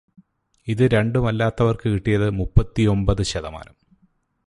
ഇത് രണ്ടുമല്ലാത്തവർക്ക് കിട്ടിയത് മുപ്പതിയൊമ്പത് ശതമാനം.